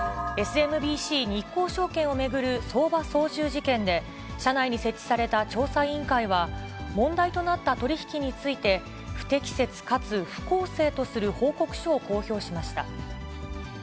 ＳＭＢＣ日興証券を巡る相場操縦事件で、社内に設置された調査委員会は、問題となった取り引きについて、不適切かつ不公正とする報告書を公表しました。